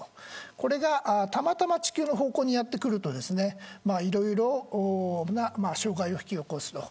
これが、たまたま地球の方向にやってくるといろいろな障害を引き起こすと。